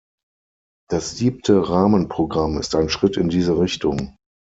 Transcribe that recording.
Das Siebte Rahmenprogramm ist ein Schritt in diese Richtung.